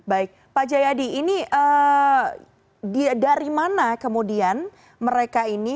baik pak jayadi ini dari mana kemudian mereka ini